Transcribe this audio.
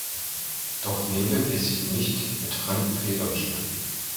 Doch Nele will sich nicht mit fremden Federn schmücken.